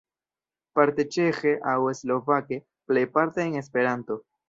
Parte ĉeĥe aŭ slovake, plejparte en Esperanto.